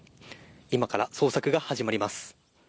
今から捜索が始まります。